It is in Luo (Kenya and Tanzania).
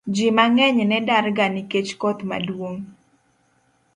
Ji mang'eny ne darga nikech koth maduong'